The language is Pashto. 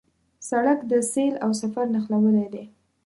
سړک د سیل او سفر نښلوی دی.